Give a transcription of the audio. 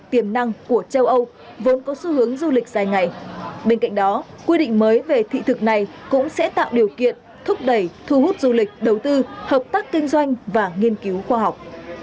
các nền kinh tế phương nam của châu âu vốn có xu hướng du lịch dài ngày bên cạnh đó quy định mới về thị thực này cũng sẽ tạo điều kiện thúc đẩy thu hút du lịch đầu tư hợp tác kinh doanh và nghiên cứu khoa học